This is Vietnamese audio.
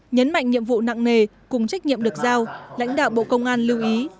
nhấn mạnh nhiệm vụ nặng nề cùng trách nhiệm được giao lãnh đạo bộ công an lưu ý